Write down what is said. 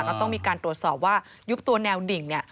ก็ต้องมีการตรวจสอบว่ายุบตัวแนวดิ่งเนี่ย